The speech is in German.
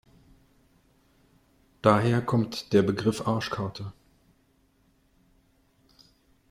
Daher kommt der Begriff Arschkarte.